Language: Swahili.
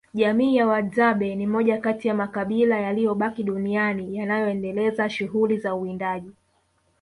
Jamii ya Wahadzabe ni moja kati ya makabila yaliyobaki duniani yanayoendeleza shughuli za uwindaji